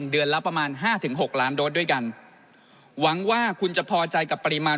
โดดด้วยกันหวังว่าคุณจะพอใจกับปริมาณ